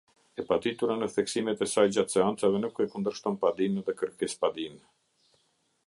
E paditura në theksimet e saj gjatë seancave nuk e kundërshton padinë dhe kërkesëpadinë.